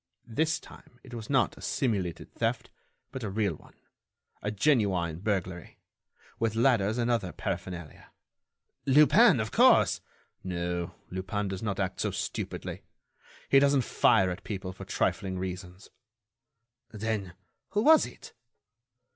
This time, it was not a simulated theft, but a real one, a genuine burglary, with ladders and other paraphernalia—" "Lupin, of course—" "No. Lupin does not act so stupidly. He doesn't fire at people for trifling reasons." "Then, who was it?"